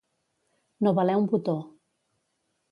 No valer un botó.